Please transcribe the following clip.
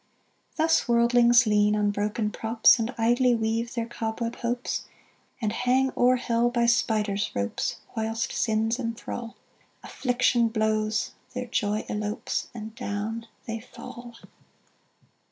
Thus worldlings lean on broken props, And idly weave their cobweb hopes, And hang o'er hell by spider's ropes, Whilst sins enthral; Affliction blows their joy elopes And down they fall!